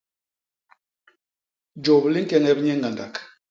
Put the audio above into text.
Jôp li ñkeñep nye ñgandak.